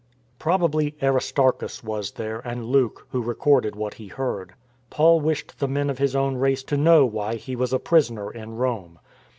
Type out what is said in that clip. Probably Aristarchus was there and Luke, who recorded what he heard. Paul wished the men of his .own race to know why he was a prisoner in Rome.